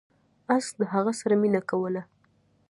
اس د هغه سره مینه کوله.